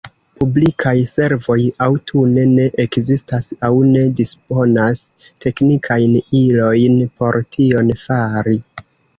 Publikaj servoj aŭ tute ne ekzistas aŭ ne disponas teknikajn ilojn por tion fari.